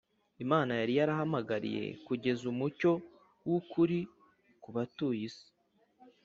Imana yari yarahamagariye kugeza umucyo w’ukuri ku batuye is